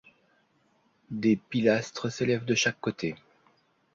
Des pilastres s'élèvent de chaque côté.